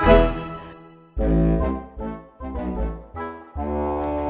pengen pepes ayam